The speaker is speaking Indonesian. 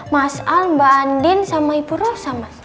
mas al mbak andin sama ibu rosa mas